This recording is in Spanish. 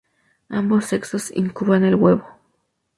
Ambos sexos incuban el huevo.